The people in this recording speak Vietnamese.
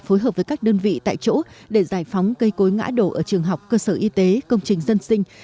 phối hợp với các đơn vị tại chỗ để giải phóng cây cối ngã đổ ở trường học cơ sở y tế công trình dân sinh